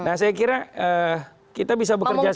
nah saya kira kita bisa bekerja sama